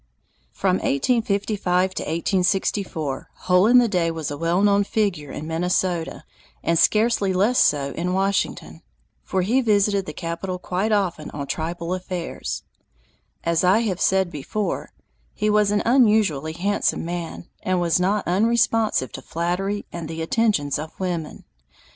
From 1855 to 1864 Hole in the Day was a well known figure in Minnesota, and scarcely less so in Washington, for he visited the capital quite often on tribal affairs. As I have said before, he was an unusually handsome man, and was not unresponsive to flattery and the attentions of women.